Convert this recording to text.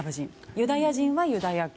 ユダヤ人はユダヤ教